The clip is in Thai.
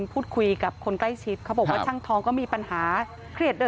พูดคุยกับคนใกล้ชิดเขาบอกว่าช่างทองก็มีปัญหาเครียดด้วย